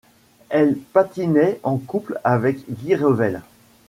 Elle patinait en couple avec Guy Revell.